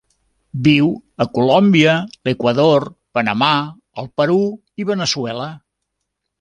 Viu a Colòmbia, l'Equador, Panamà, el Perú i Veneçuela.